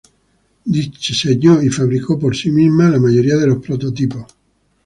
Diseñó y fabricó por sí misma la mayoría de los prototipos.